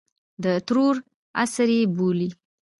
د ترور عصر یې بولي.